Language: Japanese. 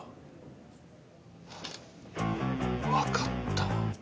わかった。